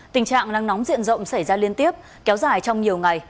tình trạng nắng nóng diện rộng xảy ra liên tiếp kéo dài trong nhiều ngày